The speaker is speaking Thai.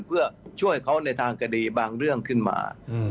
เพื่อช่วยเขาในทางคดีบางเรื่องขึ้นมา